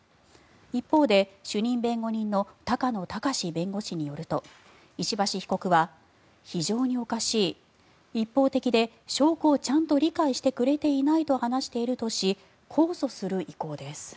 一方で主任弁護人の高野隆弁護士によると石橋被告は非常におかしい一方的で証拠をちゃんと理解してくれていないと話しているとし控訴する意向です。